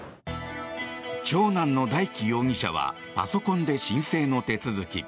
長男の大祈容疑者はパソコンで申請の手続き。